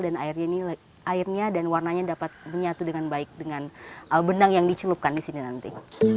dan airnya dan warnanya dapat menyatu dengan baik dengan benang yang dicelupkan di sini nanti